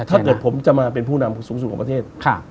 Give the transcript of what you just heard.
ถ้าเกิดผมจะมาเป็นผู้นำสูงสุดของประเทศ